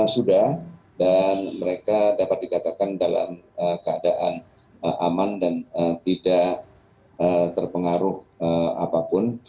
sudah dan mereka dapat dikatakan dalam keadaan aman dan tidak terpengaruh apapun